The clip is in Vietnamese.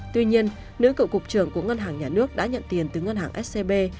tuy nhiên nữ cựu cục trưởng của ngân hàng nhà nước đã nhận tiền từ ngân hàng scb